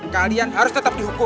kalian harus tetap dihukum